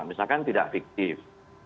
misalkan tidak fiktif